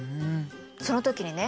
その時にね